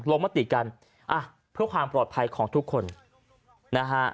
มติกันอ่ะเพื่อความปลอดภัยของทุกคนนะฮะ